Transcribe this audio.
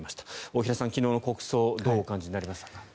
大平さん、昨日の国葬どうお感じになりましたか。